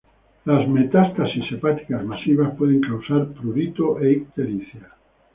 Las metástasis hepáticas masivas pueden causar prurito e ictericia.